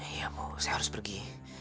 iya mau saya harus pergi